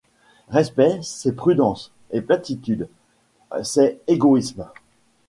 Respect, c’est prudence, et platitude, c’est égoïsme.